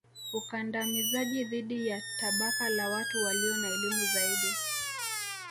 Ukandamizaji dhidi ya tabaka la watu walio na elimu zaidi